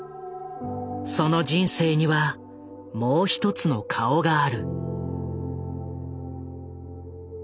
その人生にはもう一つの顔がある。